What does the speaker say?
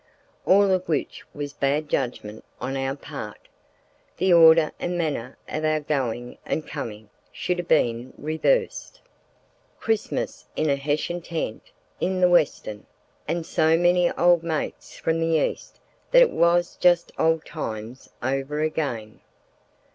All of which was bad judgment on our part—the order and manner of our going and coming should have been reversed. Christmas in a hessian tent in "th' Westren," with so many old mates from the East that it was just old times over again.